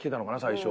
最初。